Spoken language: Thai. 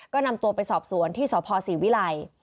ก็นำตัวไปสอบสวนที่สพศรีวิลัย